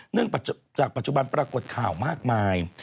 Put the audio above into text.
จากปัจจุบันปรากฏข่าวมากมาย